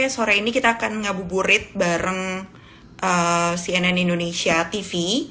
sore ini kita akan ngabuburit bareng cnn indonesia tv